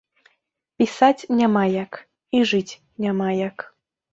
Пісаць няма як і жыць няма як.